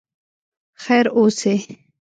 خیر اوسې.